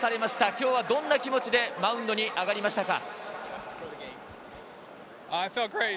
今日はどんな気持ちでマウンドに上がりましたか？